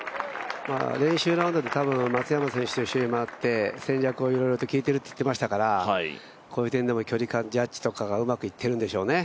練習ラウンドで多分松山選手と回って戦略をいろいろと聞いていると言っていますから距離感とかジャッジとかうまくいっているんでしょうね。